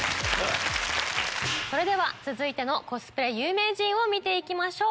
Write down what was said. それでは続いてのコスプレ有名人見て行きましょう。